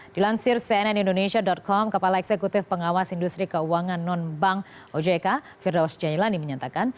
dilansir cnn indonesia com kepala eksekutif pengawas industri keuangan non bank ojk firdaus jailani menyatakan